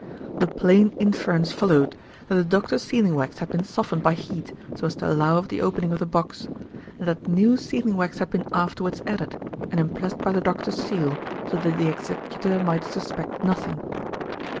The plain inference followed that the doctor's sealing wax had been softened by heat so as to allow of the opening of the box, and that new sealing wax had been afterwards added, and impressed by the Doctor's seal so that the executor might suspect nothing.